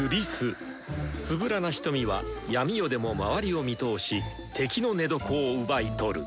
つぶらな瞳は闇夜でも周りを見通し敵の寝床を奪い取る。